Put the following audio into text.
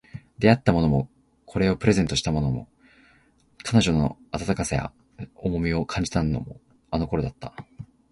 出会ったのも、これをプレゼントしたのも、彼女の温かさや重みを感じたのも、あの頃だった